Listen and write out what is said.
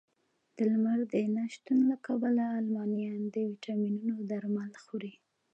د لمر نه شتون له کبله المانیان د ویټامینونو درمل خوري